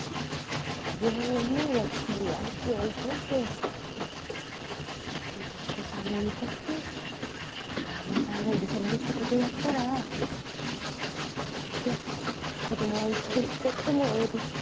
離縁うんぬんはとりあえず置いといてもし俊子さんが産みたくて高浜さんが許せないってことやったら俊子さんと子供はうちで引き取ってもええですか？